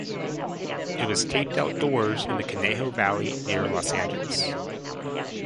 It was taped outdoors in the Conejo Valley near Los Angeles.